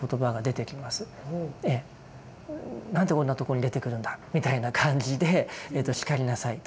「何でこんなとこに出てくるんだ」みたいな感じで叱りなさいと。